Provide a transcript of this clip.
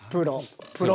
プロ。